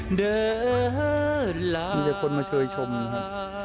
มีแต่คนมาเชื่อยชมนะฮะ